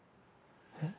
え？